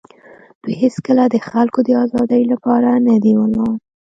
دوی هېڅکله د خلکو د آزادۍ لپاره نه دي ولاړ.